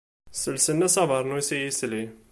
Sselsen-as abernus i yisli.